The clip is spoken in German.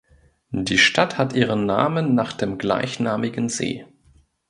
Die Stadt hat ihren Namen nach dem gleichnamigen See.